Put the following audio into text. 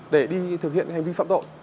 để đi thực hiện hành vi phạm tội